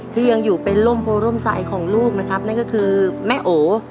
ที่ยังอยู่เป็นร่มโพร่มใสของลูกนะครับนั่นก็คือแม่โอ